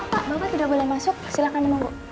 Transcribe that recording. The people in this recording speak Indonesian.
pak bapak tidak boleh masuk silahkan dengan bu